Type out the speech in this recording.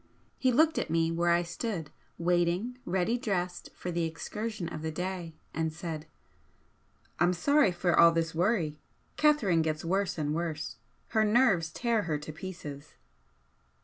He looked at me where I stood waiting, ready dressed for the excursion of the day, and said: "I'm sorry for all this worry. Catherine gets worse and worse. Her nerves tear her to pieces."